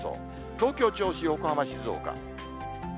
東京、銚子、横浜、静岡。